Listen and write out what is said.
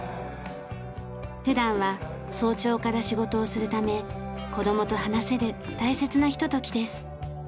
普段は早朝から仕事をするため子どもと話せる大切なひとときです。